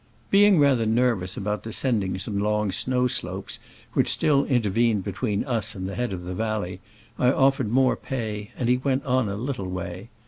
Being rather nervous about descending some long snow slopes which still intervened between us and the head of the valley, I offered more pay, and he went on a little way.